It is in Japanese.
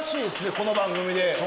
この番組で。